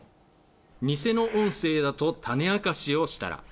偽の音声だと種明かしをしたら。